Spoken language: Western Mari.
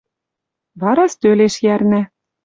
Вара стӧлеш йӓрнӓ